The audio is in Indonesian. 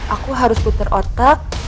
aku harus putar otak